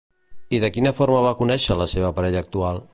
I de quina forma va conèixer a la seva parella actual?